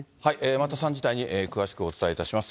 また３時台に詳しくお伝えいたします。